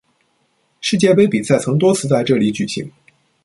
世界杯比赛曾多次在这里举行。